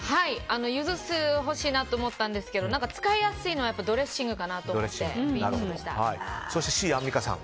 ゆず酢ほしいなと思ったんですけど使いやすいのはドレッシングかなと思ってそしてＣ、アンミカさん。